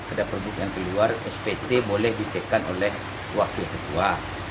ada perbuk yang keluar spt boleh ditekan oleh wakil ketua